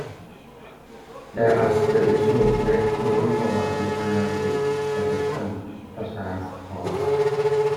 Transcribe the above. There are still issues with moving forward with anaerobic digestion, such as cost.